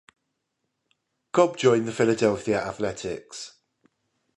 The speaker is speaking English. Cobb joined the Philadelphia Athletics.